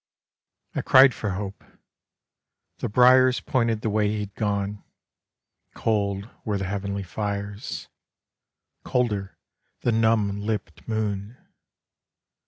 I cried for Hope. The Briars Pointed the way he'd gone; Cold were the Heav'nly Fires, Colder the numb lipped Moon.